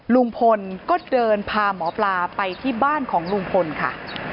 ลุงพลก็เดินพาหมอปลาไปที่บ้านของลุงพลค่ะ